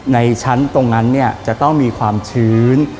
ในชั้นตรงนั้นเนี่ยจะต้องมีความชื้น